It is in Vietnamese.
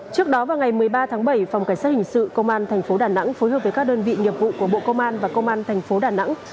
trước đó vào ngày một mươi ba tháng bảy phòng cảnh sát hình sự công an thành phố đà nẵng phối hợp với các đơn vị nghiệp vụ của bộ công an và công an thành phố đà nẵng